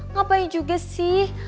ngapain juga sih